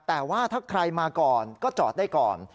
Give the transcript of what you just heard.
แต่ว่าถ้าใครมาก่อนก็จอดได้ก่อน